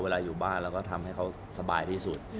อยู่บ้านเราก็ทำให้เขาสบายที่สุด